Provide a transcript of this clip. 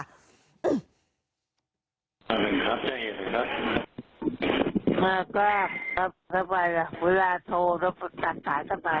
ยายถกใหมาด้วยต่อไปแล้วก็ได้อยู่ตรงไหน